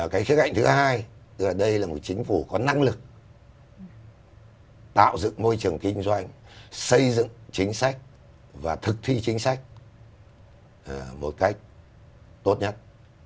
cái khía cạnh thứ hai đây là một chính phủ có năng lực tạo dựng môi trường kinh doanh xây dựng chính sách và thực thi chính sách một cách tốt nhất